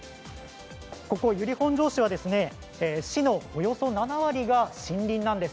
ここ由利本荘市は市のおよそ７割が森林なんです。